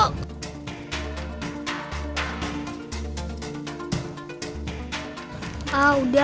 aduh gak usah ngomongnya